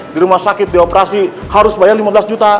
di rumah sakit dioperasi harus bayar lima belas juta